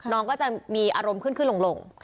น้องก็จะมีอารมณ์ขึ้นลง